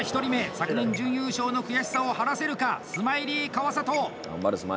昨年、準優勝の悔しさを晴らせるかスマイリー川里！